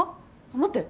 待って。